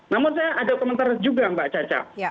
namun saya ada komentar juga mbak caca